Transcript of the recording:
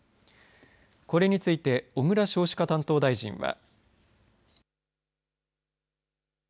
これについて小倉少子化担当大臣は。